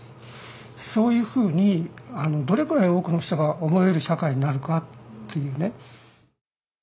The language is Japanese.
そういうふうにどれくらい多くの人が思える社会になるかっていうね。